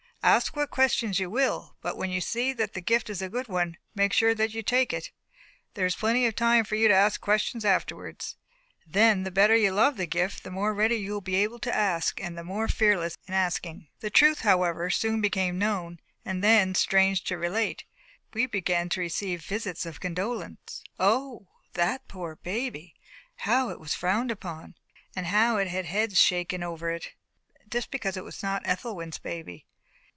Ask what questions you will, but when you see that the gift is a good one, make sure that you take it. There is plenty of time for you to ask questions afterwards. Then the better you love the gift, the more ready you will be to ask, and the more fearless in asking. The truth, however, soon became known. And then, strange to relate, we began to receive visits of condolence. O, that poor baby! how it was frowned upon, and how it had heads shaken over it, just because it was not Ethelwyn's baby!